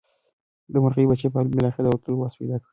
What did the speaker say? د مرغۍ بچي به بالاخره د الوتلو وس پیدا کړي.